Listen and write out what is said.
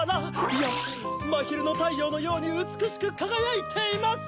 いやまひるのたいようのようにうつくしくかがやいています！